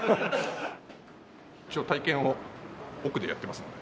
一応体験を奥でやってますので。